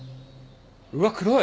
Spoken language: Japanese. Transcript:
うわっ黒い！